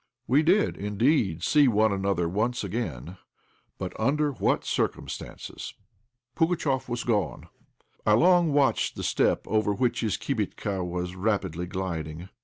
We did, indeed, see one another once again; but under what circumstances! Pugatchéf was gone. I long watched the steppe over which his "kibitka" was rapidly gliding.